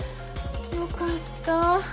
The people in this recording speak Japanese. よかったぁ。